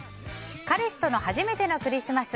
彼氏との初めてのクリスマス。